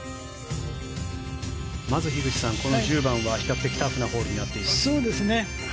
まず樋口さん、この１０番は比較的タフなホールになっています。